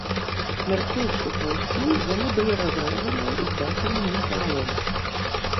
Мяркуючы па ўсім, яны былі разрэзаныя і здадзены на металалом.